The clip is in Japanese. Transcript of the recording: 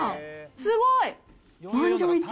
すごい！